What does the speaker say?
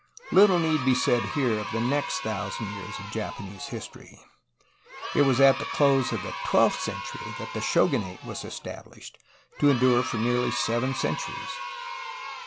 Little need be said here of the next thousand years of Japanese history. It was at the close of the twelfth century that the shogunate was established, to endure for nearly seven centuries.